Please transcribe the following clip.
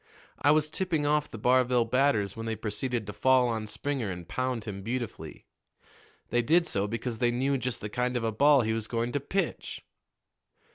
I was tipping off the Barville batters when they proceeded to fall on Springer and pound him beautifully. They did so because they knew just the kind of a ball he was going to pitch."